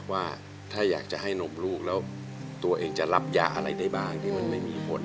ว่าถ้าอยากจะให้นมลูกแล้วตัวเองจะรับยาอะไรได้บ้างที่มันไม่มีผล